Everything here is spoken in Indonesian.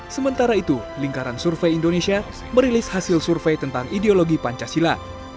sementara itu lingkaran survei indonesia merilis hasil survei tentang ideologi pancasila